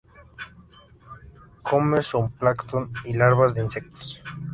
Come zooplancton y larvas de insectos.